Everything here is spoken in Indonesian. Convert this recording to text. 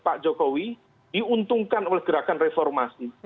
pak jokowi diuntungkan oleh gerakan reformasi